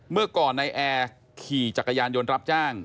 เมื่อก่อนนายแอร์ขี่จักรยานยนต์รับจ้าง